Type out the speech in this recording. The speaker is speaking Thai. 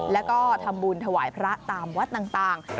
แล้วก็ทำบุญถวายพระตามวัดต่าง